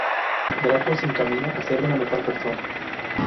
Draco se encamina a ser una mejor persona.